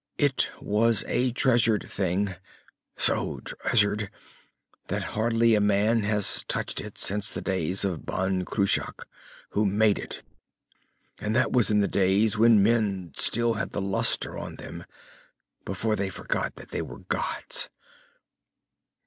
It was a treasured thing so treasured that hardly a man has touched it since the days of Ban Cruach who made it. And that was in the days when men still had the lustre on them, before they forgot that they were gods.